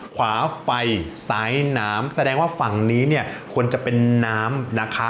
ขวาไฟสายน้ำแสดงว่าฝั่งนี้เนี่ยควรจะเป็นน้ำนะคะ